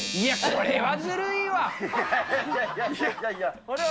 これはずるいわ。